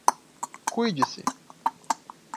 Cuide-se